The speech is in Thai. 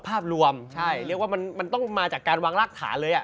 ภาพรวมใช่เรียกว่ามันต้องมาจากการวางรากฐานเลย